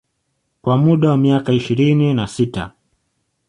Kwa muda wa miaka ishirini na sita